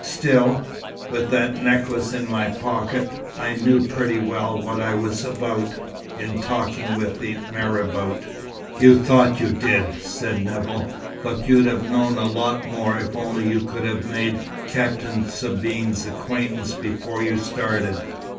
Still, with that necklace in my pocket, I knew pretty well what I was about, in talking with the marabout." "You thought you did," said Nevill. "But you'd have known a lot more if only you could have made Captain Sabine's acquaintance before you started."